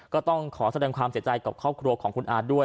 ก็ต้องขอแสดงความเสียใจกับครอบครัวของคุณอาร์ด้วย